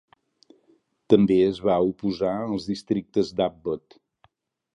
També es va oposar als districtes d"Abbott.